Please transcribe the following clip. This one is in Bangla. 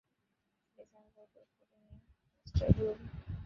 প্লিজ আর কাউকে খুঁজে নিন মিঃ ব্লুম।